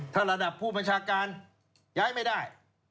ถ้าระดับผู้บัญชาการย้ายไม่ได้